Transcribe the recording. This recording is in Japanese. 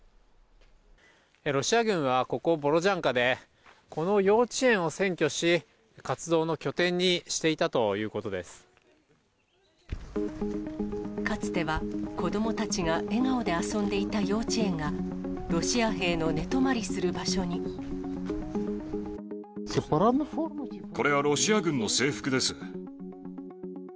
ロシア軍はここボロジャンカでこの幼稚園を占拠し、活動の拠かつては、子どもたちが笑顔で遊んでいた幼稚園が、ロシア兵の寝泊まりするこれはロシア軍の制服です。